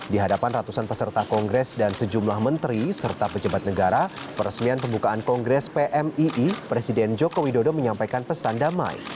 di hadapan ratusan peserta kongres dan sejumlah menteri serta pejabat negara peresmian pembukaan kongres pmii presiden joko widodo menyampaikan pesan damai